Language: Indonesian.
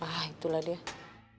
ah itulah dia